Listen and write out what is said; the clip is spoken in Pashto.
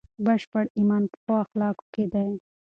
بشپړ ایمان په ښو اخلاقو کې دی.